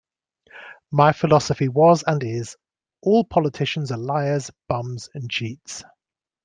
My philosophy was and is "all politicians are liars, bums and cheats".